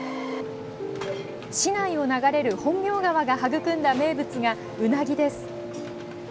市内を流れる本明川が育んだ名物がうなぎです。